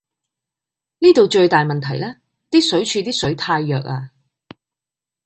呢度最大問題呢，啲水柱啲水太弱呀